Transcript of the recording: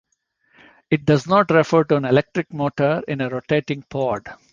It does not refer to an electric motor in a rotating pod.